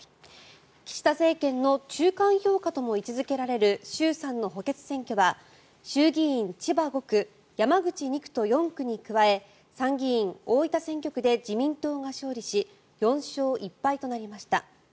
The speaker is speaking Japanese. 岸田政権の中間評価とも位置付けられる衆参の補欠選挙は衆議院千葉５区山口２区と４区に加え参議院大分選挙区で自民党が勝利し４勝１敗となりました。